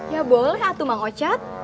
ya boleh atumang ocet